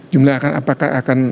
jumlah yang akan